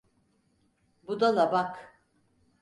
Budala bak!